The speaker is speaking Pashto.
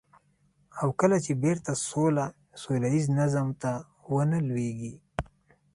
او کله چې بېرته سوله ييز نظم ته ونه لوېږي.